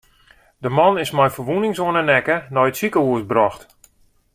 De man is mei ferwûnings oan de nekke nei it sikehûs brocht.